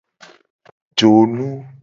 Jonu.